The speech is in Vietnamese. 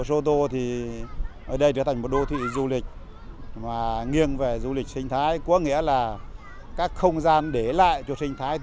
so với nhiều bãi biển khác thì mình thấy bãi biển khá là sạch và tự nhiên